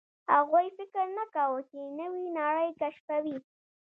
هغوی فکر نه کاوه، چې نوې نړۍ کشفوي.